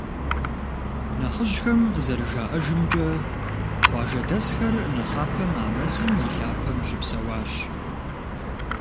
Нэхъыжьхэм зэрыжаӏэжымкӏэ, къуажэдэсхэр нэхъапэм а мэзым и лъапэм щыпсэуащ.